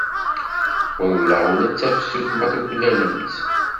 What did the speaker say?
Welleh ula d tafsut ma tuklalem-tt.